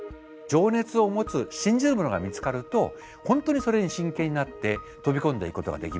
情熱を持つ信じるものが見つかると本当にそれに真剣になって飛び込んでいくことができます。